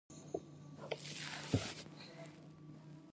موږ چې خوړنځای ته ورغلو، ډوډۍ لا نه وه تیاره شوې.